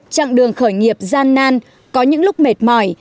trạng đường khởi nghiệp gian nan có những lúc mệt mỏi